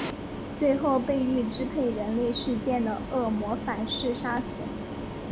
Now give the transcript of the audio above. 最后被欲支配人类世界的恶魔反噬杀死。